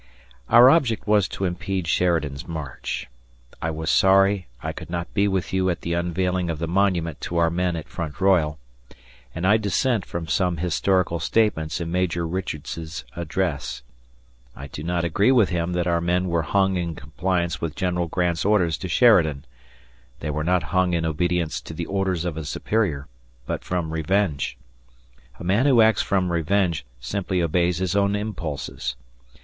Our object was to impede Sheridan's march. I was sorry I could not be with you at the unveiling of the monument to our men at Front Royal, and I dissent from some historical statements in Major Richards's address. I do not agree with him that our men were hung in compliance with General Grant's orders to Sheridan. They were not hung in obedience to the orders of a superior, but from revenge. A man who acts from revenge simply obeys his own impulses.